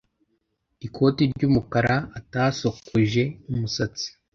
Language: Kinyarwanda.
ikoti ry’umukara, atasokoje umusatsi